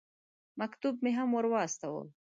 مکتوب مې هم ور واستاوه.